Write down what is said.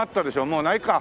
もうないか。